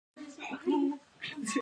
يره تومت مه وايه.